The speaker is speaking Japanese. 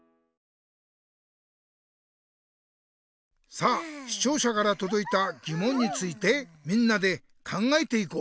さあしちょうしゃからとどいたぎもんについてみんなで考えていこう。